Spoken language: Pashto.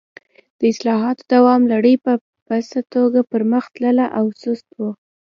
د اصلاحاتو دوام لړۍ په پڅه توګه پر مخ تلله او سست و.